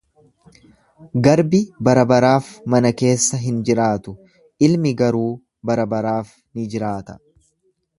Garbi barabaraaf mana keessa hin jiraatu, ilmi garuu barabaraaf ni jiraata.